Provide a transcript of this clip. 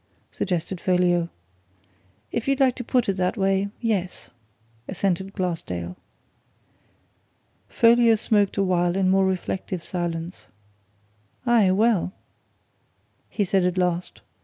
suggested Folliot. "If you like to put it that way yes," assented Glassdale. Folliot smoked a while in more reflective silence. "Aye, well!" he said at last.